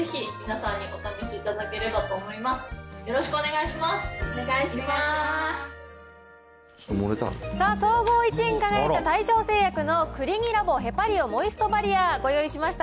さあ、総合１位に輝いた大正製薬のクリニラボヘパリオモイストバリア、ご用意しました。